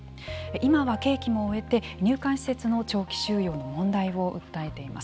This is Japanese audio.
今は刑期も終えて入管施設の長期収容の問題を訴えています。